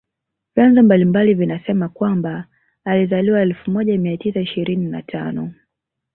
Vyanzo mbalimbali vinasema ya kwamba alizaliwa elfu moja mia tisa ishirini na tano